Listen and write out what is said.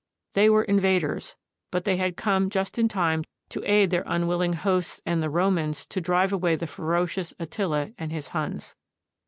They were invaders, but they had come just in time to aid their unwilling hosts and the Romans to drive away the ferocious Attila and his Huns.